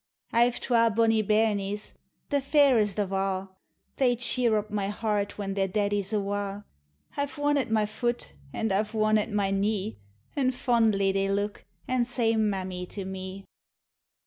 1 've twa bonnie bahnies, the fairest of a', They cheer up my heart when their'daddie's awa' ; I 've one at my foot, and I 've one at my knee; An' fondly they look, an' say 4i Mammie " to me.